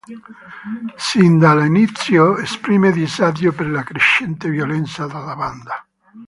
Sin dall'inizio esprime disagio per la crescente violenza della banda.